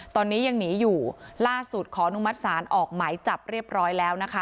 ตอนนี้ยังหนีอยู่ล่าสุดขออนุมัติศาลออกหมายจับเรียบร้อยแล้วนะคะ